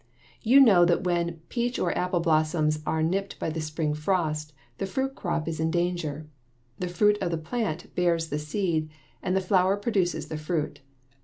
You know that when peach or apple blossoms are nipped by the spring frost the fruit crop is in danger. The fruit of the plant bears the seed, and the flower produces the fruit.